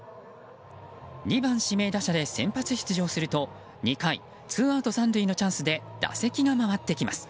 ２番指名打者で先発出場すると２回ツーアウト３塁のチャンスで打席が回ってきます。